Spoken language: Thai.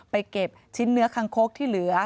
เก็บชิ้นเนื้อคังคกที่เหลือ